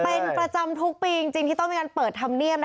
เป็นประจำทุกปีจริงที่ต้องมีการเปิดธรรมเนียม